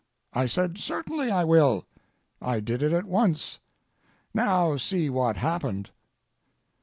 I said: "Certainly I will." I did it at once. Now, see what happened.